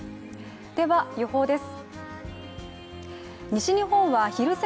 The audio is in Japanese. では予報です。